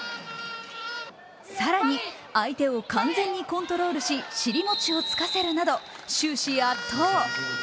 更に、相手を完全にコントロールし尻餅をつかせるなど、終始、圧倒。